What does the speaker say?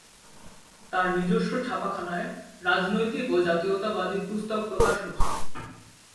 তার নিজস্ব ছাপাখানায় রাজনৈতিক ও জাতীয়তাবাদী পুস্তক প্রকাশ হত।